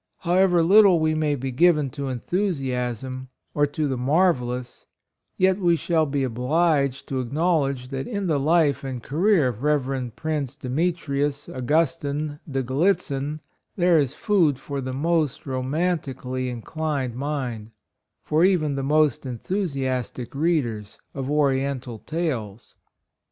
However little we may be given to enthusiasm or to the mar velous, yet we shall be obliged to acknowledge that in the life and ca reer of Rev. Prince Demetrius Au gustine de Gallitzin, there is food for the most romantically inclined mind — for even the most enthusias tic readers of Oriental tales.